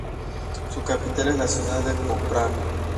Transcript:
Su capital es la ciudad de Poprad.